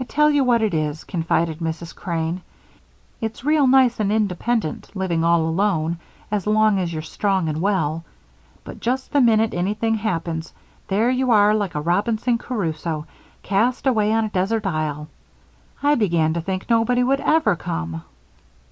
"I tell you what it is," confided Mrs. Crane. "It's real nice and independent living all alone as long as you're strong and well, but just the minute anything happens, there you are like a Robinson Crusoe, cast away on a desert isle. I began to think nobody would ever come."